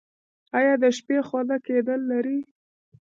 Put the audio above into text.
ایا د شپې خوله کیدل لرئ؟